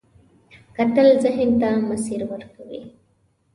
کتل ذهن ته مسیر ورکوي